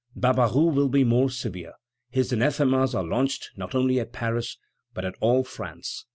Barbaroux will be still more severe. His anathemas are launched not only at Paris, but at all France.